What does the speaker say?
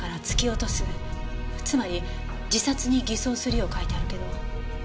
つまり自殺に偽装するよう書いてあるけど。